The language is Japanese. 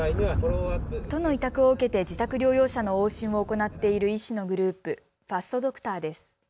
都の委託を受けて自宅療養者の往診を行っている医師のグループ、ファストドクターです。